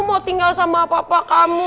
mau tinggal sama papa kamu